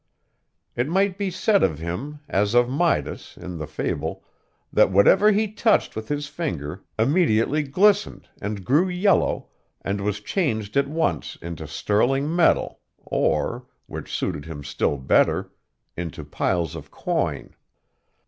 It might be said of him, as of Midas, in the fable, that whatever he touched with his finger immediately glistened, and grew yellow, and was changed at once into sterling metal, or, which suited him still better, into piles of coin.